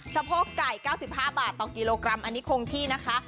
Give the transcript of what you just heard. สะโพกไก่๙๕บาทต่อกิโลกรัมอันนี้คงที่นะคะ